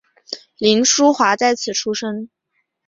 凌叔华在此出生。